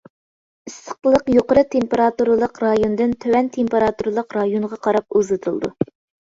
ئىسسىقلىق يۇقىرى تېمپېراتۇرىلىق رايوندىن تۆۋەن تېمپېراتۇرىلىق رايونغا قاراپ ئۇزىتىلىدۇ.